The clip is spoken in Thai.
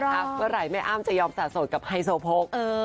เมื่อไหร่แม่อ้ำจะยอมสะโสดกับไฮโซโพก